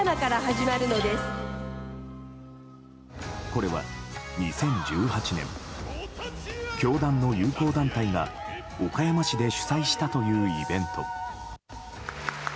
これは２０１８年教団の友好団体が岡山市で主催したというイベント。